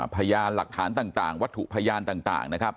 พยานหลักฐานต่างวัตถุพยานต่างนะครับ